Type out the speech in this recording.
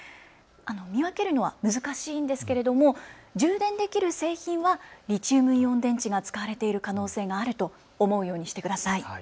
見分けるのは難しいんですけれども充電できる製品はリチウムイオン電池が使われている可能性があると思うようにしてください。